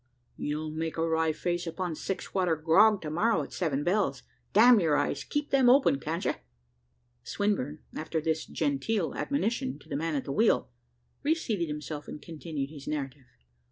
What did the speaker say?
You'll make a wry face upon six water grog, to morrow, at seven bells. Damn your eyes, keep them open can't you?" Swinburne, after this genteel admonition to the man at the wheel, reseated himself and continued his narrative.